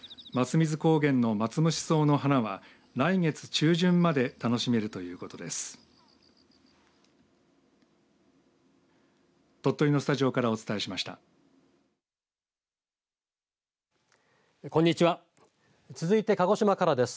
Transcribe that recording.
桝水高原のマツムシソウの花は来月中旬まで楽しめるということです。